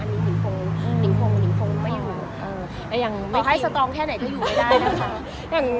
อันนี้หนิงคงไม่อยู่ต่อให้สตรองแค่ไหนก็อยู่ไม่ได้นะคะ